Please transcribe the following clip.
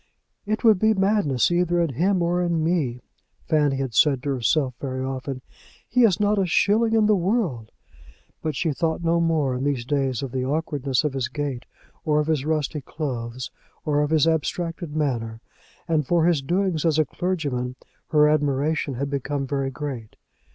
"It would be madness either in him or in me," Fanny had said to herself very often; "he has not a shilling in the world." But she thought no more in these days of the awkwardness of his gait, or of his rusty clothes, or his abstracted manner; and for his doings as a clergyman her admiration had become very great.